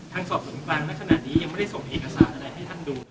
สอบสวนกลางในขณะนี้ยังไม่ได้ส่งเอกสารอะไรให้ท่านดู